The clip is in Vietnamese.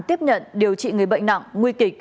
tiếp nhận điều trị người bệnh nặng nguy kịch